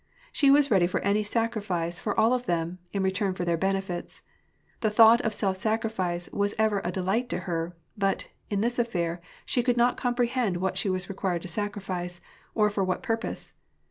She was ready for any sacrifice for all of them, in return for their benefits. The thought of self sacri fice was ever a delight to her; but, in this affair, she could not comprehend what she was required to sacrifice, or for what purpose.